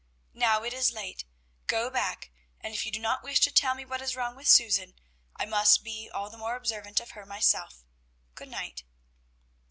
Now it is late; go back, and if you do not wish to tell me what is wrong with Susan, I must be all the more observant of her myself. Good night."